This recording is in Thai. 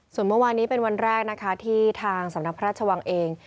ส่วนเมื่อวานนี้เป็นวันแรกนะคะที่ทางสำนักพระราชวังเอง